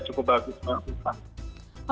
ada perkembangan yang cukup bagus